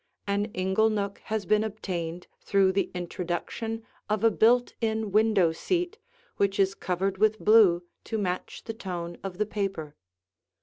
An inglenook has been obtained through the introduction of a built in window seat which is covered with blue to match the tone of the paper.